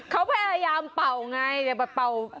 เขาพยายามเป่าไงแต่เป่า